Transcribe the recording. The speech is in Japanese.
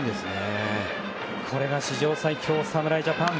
これが史上最強侍ジャパン。